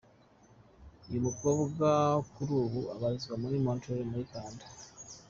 Uyu mukobwa kuri ubu ubarizwa i Montreal muri Canada.